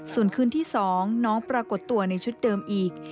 ส่วนคืนที่๒น้องปรากฏตัวในชุดเดิมอีก